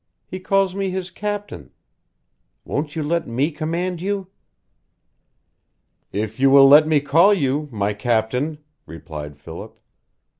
He calls me his captain. Won't you let me command you?" "If you will let me call you my captain," replied Philip.